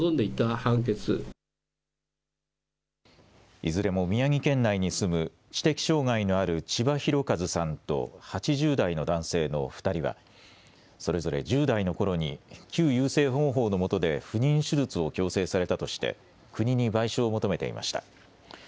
いずれも宮城県内に住む知的障害のある千葉広和さんと８０代の男性の２人はそれぞれ１０代のころに旧優生保護法のもとで不妊手術を強制されたとして国に賠償を求めていました。